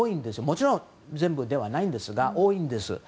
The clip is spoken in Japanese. もちろん、全部ではないんですが多いんです。